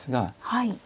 はい。